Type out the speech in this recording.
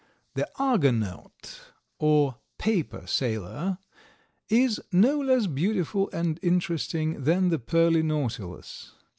The "Argonaut," or "Paper Sailor," is no less beautiful and interesting than the Pearly Nautilus.